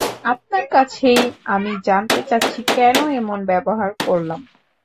আপনার কাছেই আমি জানতে চাচ্ছি কেন এমন ব্যবহার করলাম।